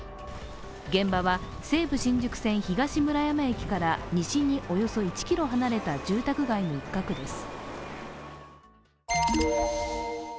現場は西武新宿線東村山駅から西におよそ１ｋｍ離れた住宅街の一角です。